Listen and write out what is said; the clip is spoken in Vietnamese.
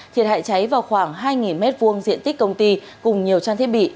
thiệt hại cháy vào khoảng hai m hai diện tích công ty cùng nhiều trang thiết bị